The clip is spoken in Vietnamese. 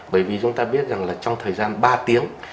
bởi vì chúng ta biết rằng là trong thời gian ba tiếng